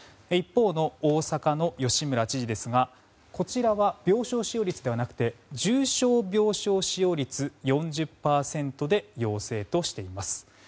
一方、大阪の吉村知事ですがこちらは病床使用率ではなくて重症病床使用率が４０％で要請としています。